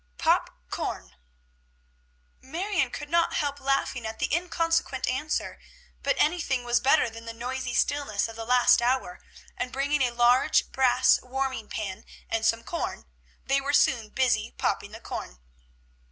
"Pop corn!" Marion could not help laughing at the inconsequent answer; but anything was better than the noisy stillness of the last hour, and bringing a large brass warming pan and some corn, they were soon busy popping the corn.